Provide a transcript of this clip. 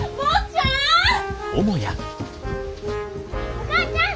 お母ちゃん！